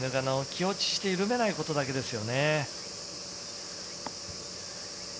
気落ちして揺るがないことだけですよね。